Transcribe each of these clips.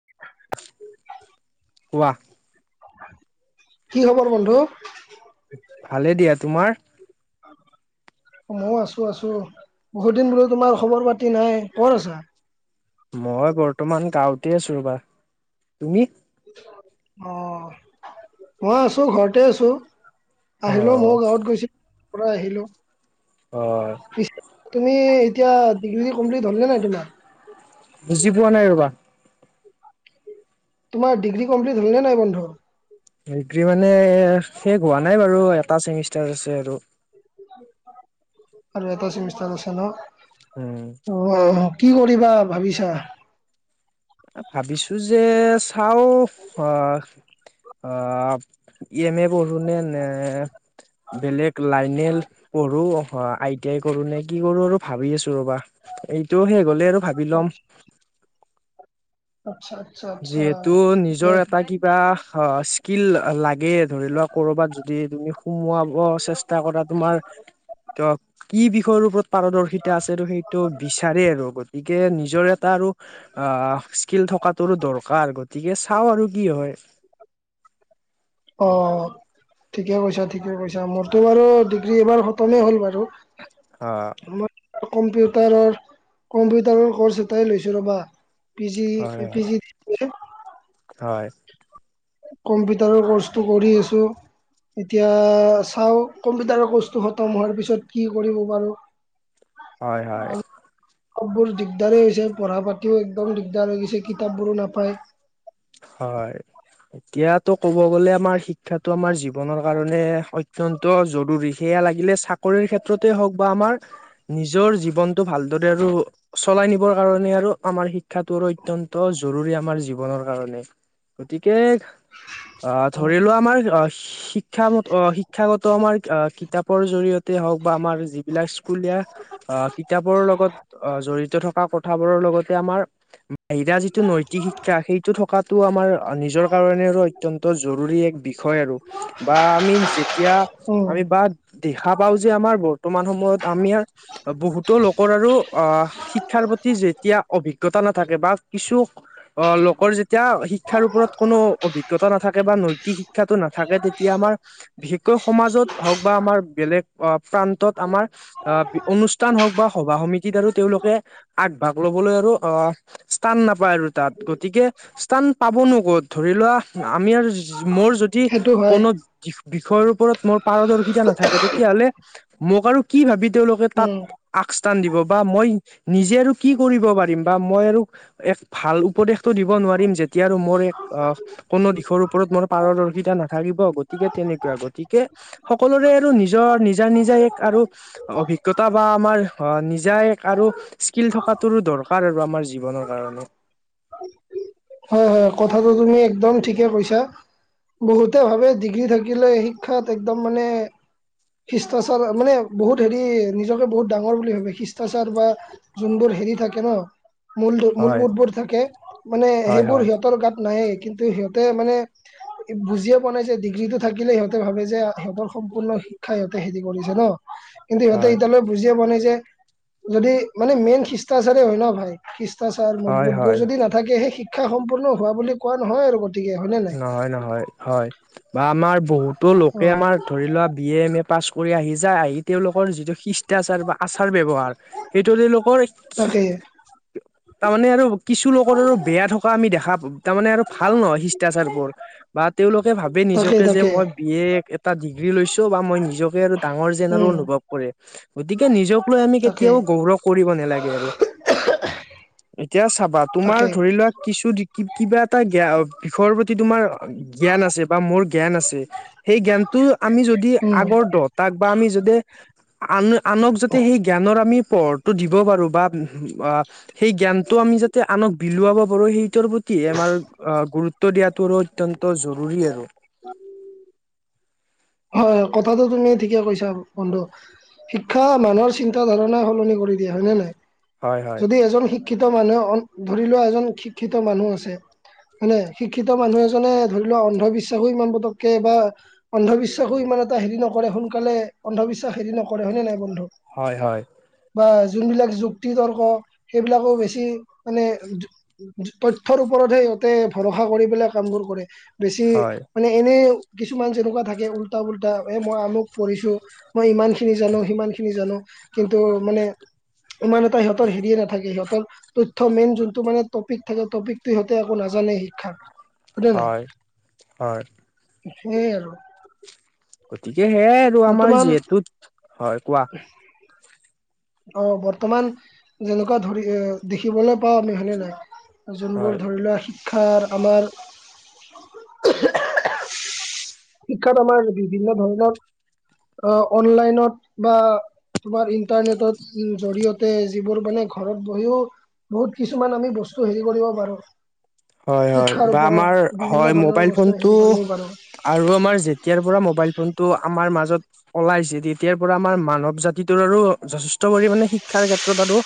[inaudible] ৱাহ কি খবৰ বন্ধু ভালে দিয়া তোমাৰ মই আছো আছো বহুত দিন বোলো তোমাৰ খবৰ পাতি নাই কত আছা? মই বৰ্তমান গাঁৱতে আছো ৰবা তুমি? অ মই আছো ঘৰতে আছো। অ আহিলো মই গাঁৱত গৈছিলো পৰা আহিলো। অ পিছত তুমি এতিয়া ডিগ্ৰী কমপ্লিট হলে নাই তোমাৰ বুজি পোৱা নাই ৰবা। তোমাৰ ডিগ্ৰী কমপ্লিট হল নে নাই বন্ধু। ডিগ্ৰী মানে শেষ হোৱা নাই বাৰু এটা চেমিষ্টাৰ আছে আৰু আৰু এটা চেমিষ্টাৰ আছে ন। উম অঁ কি কৰিবা ভাবিছা। ভাবিছো যে চাও অ অ এম এ পঢ়ো নে নে। বেলেগ লাইনে পঢ়ো অ আই। ক কৰো নে কি কৰো আৰু ভাবি আছো ৰ'বা এইটো শেষ হলেই আৰু ভাবি ল'ম আচ্ছা আচ্ছা আচ্ছা যিহেতু ঠিকে নিজৰ আছে। এটা কি ক স্কিল লাগে ধৰি লোৱা ক'বাত যদি তুমি সোমোৱাব চেষ্টা কৰাত। তোমাৰ ক কি বিষয়ৰ ওপৰত পাৰদৰ্শিতা আছে আৰু সেইটো বিচাৰে আৰু গতিকে নিজৰ এটা আৰু অ স্কিল থকাটো ৰো দৰকাৰ গতিকে চাও আৰু কি হয় অ ঠিকে কৈছা ঠিকে কৈছা মোৰতো বাৰু ডিগ্ৰী এইবাৰ খতমেই হ'ল বাৰু অ কম্পিউটাৰৰ কম্পিউটাৰৰ কৰ্চ এটাই লৈছোঁ ৰ'বা। পি জি হয় পি জি দি হয়। কম্পিউটাৰৰ ক'ৰ্চটো কৰি আছোঁ। এতিয়া চাওঁ কম্পিউটাৰৰ ক'ৰ্চটো খতম হোৱাৰ পিছত কি কৰিব পাৰোঁ। [inaudible] হয় হয়। কবোৰ দিগদাৰ হৈছে পঢ়া পাতিও একদম দিগদাৰ হৈ গৈছে কিতাপবোৰো নাপায়। হয়। এতিয়াতো ক'ব গ'লে আমাৰ শিক্ষাটো আমাৰ জীৱনৰ কাৰণে অত্য়ন্ত জৰুৰী সেইয়া লাগিলে চাকৰি ক্ষেত্ৰতে হক বা আমাৰ নিজৰ জীৱন। টো ভালদৰে আৰু চলাই নিবৰ কাৰণে আৰু আমাৰ শিক্ষাটো অত্যন্ত জৰুৰী আমাৰ জীৱনৰ কাৰণে গতিকে অ ধৰি লোৱা আমাৰ অ শিক শিক্ষ শিক্ষাগত আমাৰ কিতাপৰ জৰিয়তে হওক বা আমাৰ যিবিলাক স্কুলীয়া আহ কিতাপৰ লগত অহ জড়িত থকা কথাবোৰৰ লগতে আমাৰ এইকেইটা যিটো নৈতিক শিক্ষা সেইটো থকাটোও আমাৰ নিজৰ কাৰণে আৰু অত্যন্ত জৰুৰী এক বি ষয় আৰু বা আমি যেতিয়া উম আমি বা দেখা পাওঁ যে আমাৰ বৰ্তমান সময়ত আমি বহুতো লোকৰ আৰু আহ শিক্ষাৰ প্ৰতি যেতিয়া অভিজ্ঞতা নাথাকে বা কিছু অ লোক লোকৰ যেতিয়া শিক্ষাৰ ওপৰত কোনো অভিজ্ঞতা নাথাকে বা নৈতিক শিক্ষাটো নাথাকে তেতিয়া আমাৰ বিশেষকৈ সমাজত হওক বা আমাৰ বেলেগ প্ৰান্তত আমাৰ আহ অনুষ্ঠান হওক বা সভা সমিতিত আৰু তেওঁলোকে আগভাগ ল'বলৈ আৰু অ স্থান নাপায় আৰু তাত গতিকে স্থান পাবনো ক'ত ধৰি লোৱা আমি আৰু মোৰ যদি সেইটো হয় কোনো বিষয়ৰ ওপৰত মোৰ পাৰদৰ্শিতা নাথাকে তেতিয়াহ'লে মোক আৰু কি ভাবি তেওঁলোকে তাত উম। আগস্থান দিব বা মই নিজে আৰু কি কৰিব পাৰিম বা মই আৰু ভাল উপদেশটো দিব নোৱাৰিম যেতিয়া আৰু মোৰ এক কোনো দিশৰ ওপৰত মোৰ পাৰদৰ্শিতা নাথাকিব গতিকে তেনেকুৱা গতিকে সকলোৰে আৰু নিজৰ নিজা নিজা এক আৰু অভিজ্ঞতা বা আমাৰ নিজা‌ এক আৰু স্কিল থকাতোৰো দৰকাৰ আৰু আমাৰ জীৱনৰ কাৰণে হয় হয় কথাটো তুমি একদম ঠিকে কৈছা বহুতে ভাবে ডিগ্ৰী থাকিলে শিক্ষাত একদম মানে শিষ্টাচাৰ মানে বহুত হেৰি নিজকে বহুত ডাঙৰ বুলি ভাবে শিষ্টাচাৰ বা যোনবোৰ হেৰি থাকে ন মূল হয়, মূলবোধবোৰ থাকে মানে হয়, সেইবোৰ হয়, [unintelligible] সিহঁতৰ গাত নায়েই কিন্তু সিহঁতে মানে বুজিয়ে পোৱা নাই যে ডিগ্ৰীটো থাকিলে সিহঁতে ভাবে যে সিহঁতৰ সম্পূৰ্ণ [unintelligible] কথা ইহঁতে হেৰি কৰিছে ন কিন্তু সিহঁতে হয়। এতিয়ালৈ বুজিয়ে পোৱা নাই যে যদি মানে মেইন শিষ্টাচাৰে হয় ন ভাই শিষ্টাচাৰ হয়, হয়, মূলবোধবোৰ যদি নাথাকে সেই শিক্ষা সম্পূৰ্ণ হোৱা বুলি কোৱা নহয় আৰু গতিকে হয়নে নাই নহয় নহয় হয় বা আমাৰ বহুতো অ লোকে আমাৰ ধৰি লোৱা B A M A pass কৰি আহিছে আহি তেওঁলোকৰ যিটো শিচ এতিয়া যেনিবা আচাৰ ব্যৱহাৰ সেইটো তেওঁলোকৰ তাকে তাৰমানে আৰু কিছুলোকৰ আৰু বেয়া থকা আমি দেখা তাৰমানে আৰু ভাল নহয় শিষ্টাচাৰ বোৰ বা তেওঁলোকে ভাবে তাকে নিজকে যে তাকে মই বি এটা ডিগ্ৰী লৈছো বা মই নিজকে আৰু ডাঙৰ যেন আৰু উম অনুভৱ কৰে গতিকে নিজক লৈ আমি কেতিয়াও তাকে গৌৰৱ কৰিব নালাগে আৰু এতিয়া চাবা তোমাৰ তাকে ধৰি লোৱা কিছু ড্ৰী কিবা এটা জ্ঞা বিষয়ৰ প্ৰতি তোমাৰ জ্ঞান আছে বা মোৰ জ্ঞান আছে সেই জ্ঞানটো আমি যদি উম যদি আগৰ দহটাক বা আমি যদি আন আনক যদি সেই জ্ঞানৰ আমি পোহৰটো দিব পাৰো বা অ সেই জ্ঞানটো আমি যাতে আনক বিলোৱাব পাৰো সেই গুৰুত্ব প্ৰতিহে আমাৰ গুৰুত্ব দিয়াটোও আৰু অত্যন্ত জৰুৰী আৰু [inaudible] হয় কথাটো তুমি ঠিকে কৈছা বন্ধু শিক্ষা মানুহৰ চিন্তা ধাৰণা সলনি কৰি দিয়ে হয়নে হয় নাই হয় যদি এজন শ শিক্ষিত মানুহ হ'ল ধৰি লোৱা এজন শিক্ষিত মানুহ আছে হয়নে শিক্ষিত মানুহ এজনে ধৰি লোৱা অন্ধবিশ্বাসো ইমান পতককে বা অন্ধবিশ্বাস [unintelligible] ইমান এটা হেৰি নকৰে সোনকালে অন্ধবিশ্বাস হেৰি নকৰে হয়নে নাই বন্ধু হয়, হয়। বা যোনবিলাক যুক্তি তৰ্ক, সেইবিলাকো বেছি মানে তথ্যয়ৰ ওপৰতহে ইহঁতে ভৰসা কৰি পেলাই কামবোৰ কৰে। বেছি হয় মানে এনে, কিছুমান যেনেকুৱা থাকে উলতা ফুলটা, এ মই আমুক পঢ়িছো, মই ইমান খিনি জানো, সিমান খিনি জানো কিন্তু মানে ইমান এটা সিহঁতৰ হেৰিয়ে নাথাকে সিহঁতৰ তথ্য মেইন যোনটো মানে টপিক থাকে, টপিকটো সিহঁতে একো নাজানে শিক্ষাৰ। হয়, হয়। সেইয়াই আৰু। গতিকে সেয়াই আৰু আমাৰ বৰ্তমান যিহেতুত, হয় কোৱা? অ, বৰ্তমান যেনেকুৱা ধৰি এ, দেখিবলৈ পাও আমি হয় নে নহয়। যোনবোৰ হয় ধৰি লোৱা শিক্ষাৰ আমাৰ শিক্ষাত আমাৰ বিভিন্ন ধৰণৰ অ', অনলাইনত বা তোমাৰ ইন্টাৰনেটত জৰিয়তে যিবোৰ মানে ঘৰত বহিও, বহুত কিছুমান আমি বস্তু হেৰি কৰিব পাৰো। হয়, হয় বা আমাৰ বিভিন্ন হয়, ধৰণৰ মোবাইল বস্তু ফোনটো হেৰি কৰিব পাৰোঁ আৰু আমাৰ যেতিয়াৰ পৰা মোবাইল ফোনটো আমাৰ মাজত ওলাইছে, তেতিয়াৰ পৰা আমাৰ মানৱ জাতিটোৰ আৰু যথেষ্ট পৰিমানে শিক্ষাৰ ক্ষেত্ৰত আৰু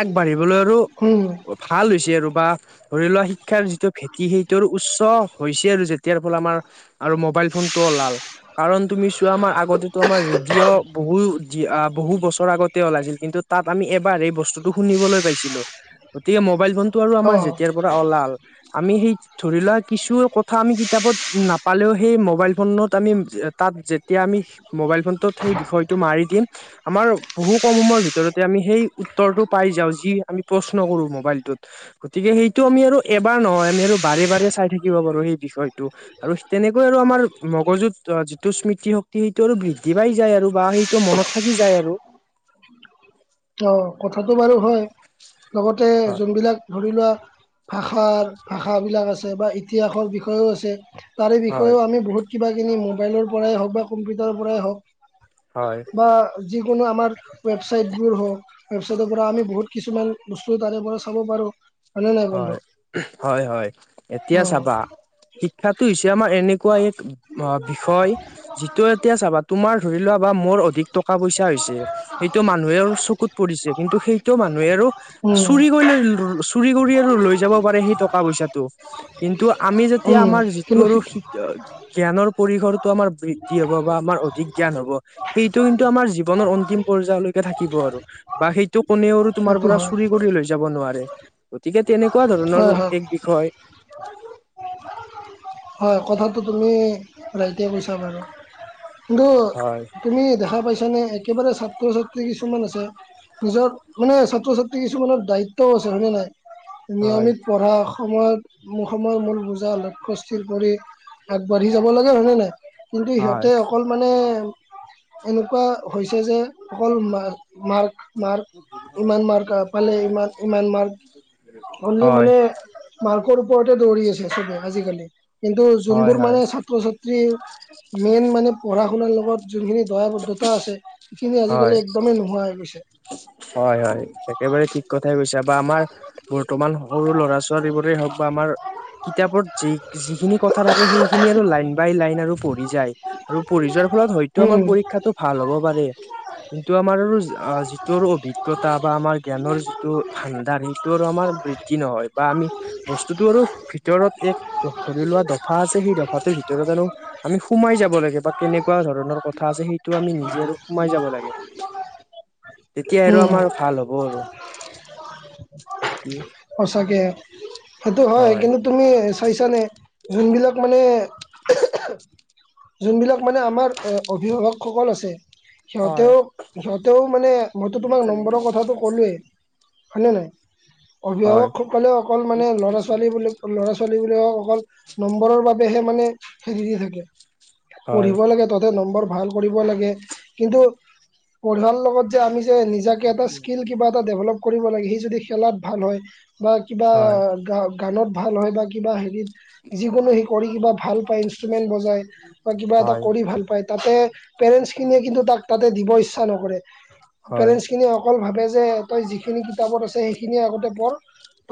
আগবাঢ়িবলৈ আৰু হম ভাল হৈছে আৰু বা ধৰি লোৱা শি শিক্ষাৰ যিটো ভেটি সেইটোৰ উচ্চ হৈছে, আৰু যেতিয়াৰ ফলে আমাৰ আৰু মোবাইল ফোনটো ওলাল। কাৰণ তুমি চোৱা আমাৰ আগতেটো আমাৰ ৰেডিঅ' বহু, বহু বছৰ আগতে ওলাইছিল। কিন্তু তাত আমি এবাৰ সেই বস্তুটো শুনিবলৈ পাইছিলো, গতিকে মোবাইল ফোন টো আৰু আমাৰ অঁ যেতিয়াৰ পৰা ওলাল আমি সেই ধৰি লোৱা কিছু, ক থা আমি কিতাপত নাপালেও, সেই মোবাইল ফোনটোত আমি যে, তাত যে তেতিয়া আমি মোবাইল ফোনটোত, সেই বিষয়টো মাৰি দিম আমাৰ বহু কম সময়ৰ ভিতৰতে আমি সেই উত্তৰটো পাই যাওঁ, যি আমি প্ৰশ্ন কৰো মোবাইলটোত। গতিকে সেইটো আমি আৰু এবাৰ নহয়, আমি আৰু বাৰে, বাৰে চাই থাকিব পাৰো সেই বিষয় টো, আৰু তেনেকৈ আৰু আমাৰ মগজুত অ, যিটো স্মৃতি শক্তি, সেইটো আৰু বৃদ্ধি পাই যায়, আৰু বা সেইটো মনত থাকি যায়, আৰু। অ', কথাটো বাৰু হয়, লগতে হয় যোনবিলাক ধৰি লোৱা ভাষাৰ, ভাষাবিলাক আছে, বা ইতিহাসৰ বিষয়েও আছে। তাৰে হয় বিষয়েও আমি বহুত কিবা-কিনি মোবাইলৰ পৰাই হওক বা কম্পিউটাৰৰ পৰাই হওক হয় কিবা যিকোনো আমাৰ ৱেবছাইট বোৰ হওক, ৱেবছাইটৰ পৰা আমি বহুত কিছুমান বস্তু তাৰে পৰা চাব পাৰো। হয়নে নাই বন্ধু হয়, হয়, হয়। এতিয়া চাবা উম শিক্ষাটো হৈছে আমাৰ এনেকুৱা এক, মহা বিষয় যিটো এতিয়া স্বাভাৱিক তোমাৰ ধৰি লোৱা বা, মোৰ অধিক টকা, পইচা হৈছে সেইটো মানুহৰ আৰু চকুত পৰিছে, কিন্তু সেইটো মানুহেও চুৰি উম কৰি লৈ ল'ব আৰু লৈ যাব পাৰে সেই টকা পইচাটো, কিন্তু আমি যেতিয়া উম আমাৰ যিটো কিন্তু আৰু শিক্ষা জ্ঞানৰ পৰিসৰটো আমাৰ বৃদ্ধি হ'ব, বা আমাৰ অধিক জ্ঞান হ'ব। সেইটো কিন্তু আমাৰ জীৱনৰ অন্তিম পৰ্যায়লৈকে থাকিব আৰু বা সেইটো কোনেও তোমাৰ সেইটো পৰা হয় চুৰি কৰি লৈ যাব নোৱাৰে। গতিকে তেনেকুৱা ধৰণৰ হয় হয় এক বিষয়। হয়, কথাটো তুমি ৰাইটে কৈছা বাৰু, কিন্তু হয় তুমি দেখা পাইছানে, একেবাৰে ছাত্ৰ, ছাত্ৰী কিছুমান আছে। নিজৰ মানে, ছাত্ৰ, ছাত্ৰী কিছুমানৰ দায়িত্বও আছে। হয়নে, নাই। হয় নিয়মিত পঢ়া, সময়ত মোৰ সময়ৰ মূল বুজা লক্ষ্যস্থ কৰি আগবাঢ়ি যাব লাগে, হয়নে, নাই। কিন্তু হয় সিহঁতে অকল মানে এনেকুৱা হৈছে যে, অকল ম, মাৰ্ক মাৰ্ক, ইমান মাৰ্কফালে, ইমান, ইমান মাৰ্ক, অললি হয় মানে মাৰ্কৰ ওপৰতে দৌৰি আছে চবে আজিকালি কিন্তু হয় যোনবোৰ হয় মানে ছাত্ৰ ছাত্ৰী মেইন মানে পঢ়া শুনাৰ লগত যোনখিনি দয়াবদ্ধতা আছে সেইখিনি হয় আজিকালি একদমেই নোহোৱা হৈ গৈছে হয় হয় একেবাৰে ঠিক কথাই কৈছে বা আমাৰ বৰ্তমান সৰু ল'ৰা ছোৱালী হওঁক বা আমাৰ কিতাপত যি যিখিনি কথা থাকে সেইখিনি আৰু লাইন বাই লাইন আৰু পঢ়ি যায় আৰু পঢ়ি যোৱাৰ ফলত হয়তো আমাৰ উম শিক্ষাটো ভাল হ'ব পাৰে কিন্তু আমাৰ আৰু ৰ অভিজ্ঞতা বা আমাৰ জ্ঞানৰ যিটো ভাণ্ডাৰ সেইটোৰ আমাৰ বৃদ্ধি নহয় বা আমি বস্তুটো আৰু ভিতৰত এক ধৰি লোৱা দফা আছে সেই দফাটোৰ ভিতৰত আৰু আমি সোমাই যাব লাগে বা কেনেকুৱা ধৰণৰ কথা আছে সেইটো আমি নিজে আৰু সোমাই যাব লাগে। তেতিয়া আৰু আমাৰ উম ভাল হ'ব আৰু কি সঁচাকে সেইটো হয় কিন্তু তুমি চাইছানে যোনবিলাক মানে যোনবিলাক মানে আমাৰ অভিভাৱকসকল আছে। হয় সিহঁতেও সিহঁতেও মানে মইতো তোমাক নম্বৰৰ কথাটো ক'লোৱেই হয় নে নহয়, হয় অভিভাৱকসকলে অকল মানে ল'ৰা, ছোৱালী বুলি ল'ৰা, ছ ল'ৰা ছোৱালী বিলাকক অকল নম্বৰৰ বাবেহে মানে থেলি, দি, থাকে, পঢ়িব লাগে। তহঁতে নম্বৰ ভাল কৰিব লাগে, কিন্তু পঢ়াৰ লগত যে আমি যে নিজাক এটা স্কিল কিবা এটা ডেভেলপ কৰিব লাগে সি যদি খেলাত ভাল হয় বা কিবা হয় কাম গানত ভাল হয় বা কিবা হেৰিত যিকোনো সি কৰি কিবা ভাল পায় ইনষ্ট্ৰমেণ্ট বজায়। বা কিবা এটা হয় কৰি ভাল পায় তাতে পেৰেণ্টছ খিনিয়ে কিন্তু তাক তাতে দিব ইচ্ছা নকৰে। হয় পেৰেন্স খিনিয়ে অকল ভাবে যে তই যিখিনি কিতাপত আছে সেইখিনিয়ে আগতে পঢ়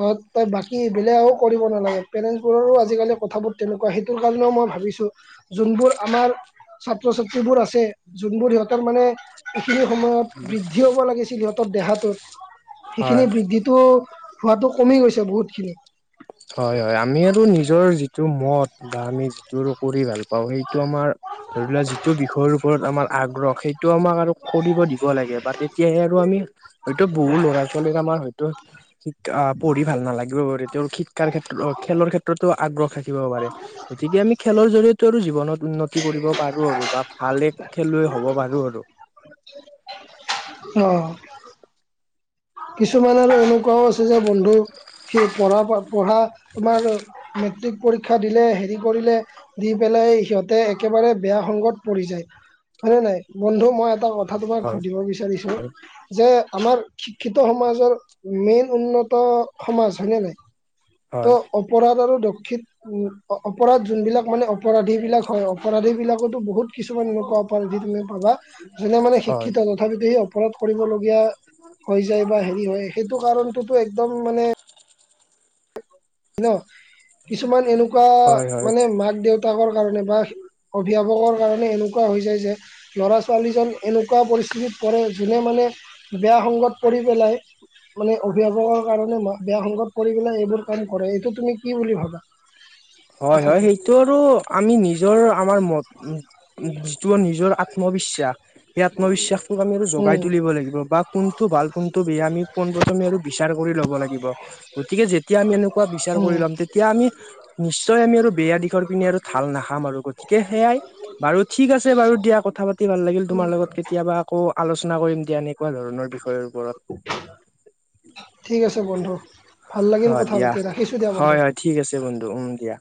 তই তই বাকী বেলেগ আৰু কৰিব নালাগে পেৰেণ্টচ বোৰৰো আজিকালি কথাবোৰ তেনেকুৱা সেইটোৰ কাৰণেও মই ভাবিছোঁ। যোনবোৰ আমাৰ ছাত্ৰ ছাত্ৰীবোৰ আছে, যোনবোৰ সিহঁতৰ মানে এইখিনি সময়ত বৃদ্ধি হ'ব লাগিছিল সিহঁতৰ দেহাটোত হয় সেইখিনি বৃদ্ধিত টো হোৱাটো কমি গৈছে বহুতখিনি। হয় হয় আমি আৰু নিজৰ যিটো মত বা আমি যিটো কৰি ভাল বা সেইটো আমাৰ ধৰি লোৱা যিটো বিষয়ৰ ওপৰত আমাৰ আগ্ৰহ সেইটো আমাক আৰু কৰিব দিব লাগে বা তেতিয়াহে আৰু আমি হয়টো বহু ল'ৰা ছোৱালীৰ আমাৰ হয়তো শিক পঢ়ি ভাল নালাগিব তেওঁৰ শিক্ষাৰ ক্ষেত্ৰত খেলৰ ক্ষেত্ৰতো আগ্ৰহ থাকিব পাৰে গতিকে আমি খেলৰ জৰিয়তে আৰু জীৱনত উন্নত কৰিব পাৰোঁ আৰু বা ভালে খেলুৱৈ হ'ব পাৰোঁ আৰু অ কিছুমান আৰু এনেকুৱাও আছে যে বন্ধু সেই পঢ়া পঢ়া তোমাৰ মেট্ৰিক পৰীক্ষা দিলে হেৰি কৰিলে দি পেলাই সিহঁতে একেবাৰে বেয়া সংগত পৰি যায় হয়নে নাই বন্ধু মই এটা কথা কথাটো মই হয় সুধিব বিচাৰিছোঁ হয় যে আমাৰ এইটো সমাজৰ মেইন উন্নত সমাজ হয়নে নাই। ত হয় অপৰাধ আৰু দক্ষিণ উম অপৰাধ যোনবিলাক মানে অপৰাধী বিলাক হয় অপৰাধী বিলাকতো বহুত কিছুমান এনেকুৱা কোৱালিতি তুমি পাবা, যোনে মানে হয় শিক্ষিত তথাপিতো সি অপৰাধ কৰিবলগীয়া হৈ যায় বা হেৰি হয়, সেইটো কাৰণটোতো একদম মানে ন, কিছুমান এনেকুৱা হয় হয় মানে মাক দেউতাকৰ কাৰণে বা অভিভাৱকৰ কাৰণে এনেকুৱা হৈ যায় যে ল'ৰা ছোৱালীজন এনেকুৱা পৰিস্থিতিত পৰে যোনে মানে, বেয়া সংগত কৰি পেলাই মানে অভিভাৱকৰ কাৰণে বেয়া সংগত কৰি পেলাই এইবোৰ কাম কৰে, এইটো তুমি কি বুলি ভাবা? হয় হয়, কথাটো সেইটো আৰু আমি নিজৰ আমাৰ যিটো নিজৰ আত্মবিশ্বাস, সেই আত্মবিশ্বাসটোক আমিটো জগাই উম, তুলিব লাগিব, বা কোনটো ভাল কোনটো বেয়া আমি পোন প্ৰথমে আৰু বিচাৰ কৰি ল'ব লাগিব, গতিকে যে তিয়া আমি এনেকুৱা বিচাৰ কৰি উম, ল'ম তেতিয়া আমি নিশ্চয় আমি আৰু বেয়া দিশৰ পিনে আৰু ঢাল নাখাম আৰু গতিকে সেয়াই, বাৰু ঠিক আছে বাৰু দিয়া কথা ভাল লাগিল তোমাৰ লগত, কেতিয়াবা আকৌ আলোচনা কৰিম দিয়া, এনেকুৱা ধৰণৰ বিষয়ৰ ওপৰত। ঠিক আছে বন্ধু, ভাল লাগিল অ কথা দিয়া পাতি ৰাখিছো দিয়া বন্ধু। হয় হয় ঠিক আছে বন্ধু, উম দিয়া।